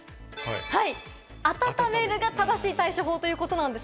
「温める」が正しい対処法ということなんです。